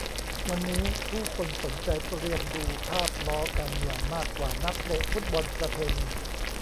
วันนี้ผู้คนสนใจเตรียมดูภาพล้อการเมืองมากกว่านักเตะฟุตบอลประเพณี